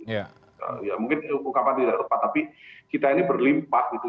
ya mungkin ungkapan tidak tepat tapi kita ini berlimpah gitu